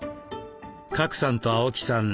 賀来さんと青木さん